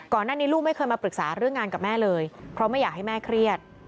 ลูกไม่เคยมาปรึกษาเรื่องงานกับแม่เลยเพราะไม่อยากให้แม่เครียด